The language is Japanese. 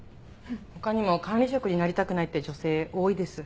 他にも管理職になりたくないって女性多いです。